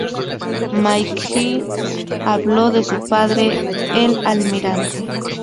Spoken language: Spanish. McGee habló de su padre, el Almirante.